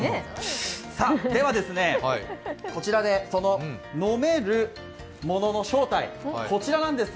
さあ、その、飲めるものの正体、こちらなんです。